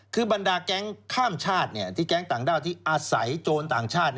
คือบรรดาแก๊งข้ามชาติที่แก๊งต่างด้าวที่อาศัยโจรต่างชาติ